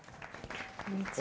こんにちは。